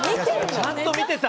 ちゃんと見てた。